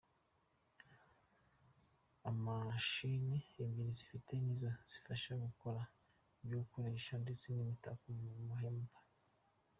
Imashini ebyiri bafite nizo zibafasha mu gukora ibyo bikoresho ndetse n’imitako mu mahembe.